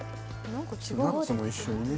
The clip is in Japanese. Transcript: ナッツも一緒にね。